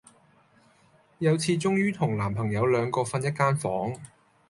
有次終於同男朋友兩個訓一間房